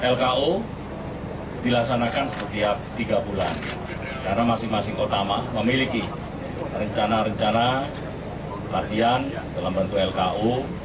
lko dilaksanakan setiap tiga bulan karena masing masing kota memiliki rencana rencana latihan dalam bentuk lko